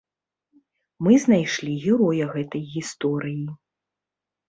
Мы знайшлі героя гэтай гісторыі.